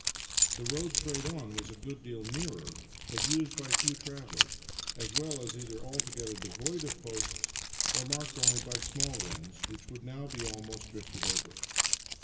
The road straight on was a good deal nearer, but used by few travellers, as well as either altogether devoid of posts or marked only by small ones which would now be almost drifted over.